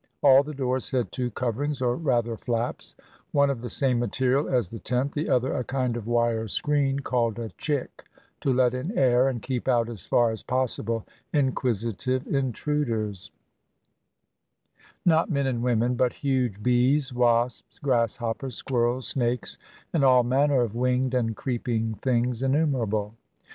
All the doors had two coverings, or rather flaps, one of the same material as the tent, the other a kind of wire screen, called a chick, to let in air, and keep out as far as possible inquisitive intrud ers— not men and women, but huge bees, wasps, grass hoppers, squirrels, snakes, and all manner of winged and creeping things innumerable.